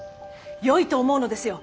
よいと思うのですよお江戸に！